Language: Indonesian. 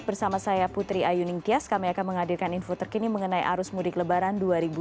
bersama saya putri ayu ningtyas kami akan menghadirkan info terkini mengenai arus mudik lebaran dua ribu dua puluh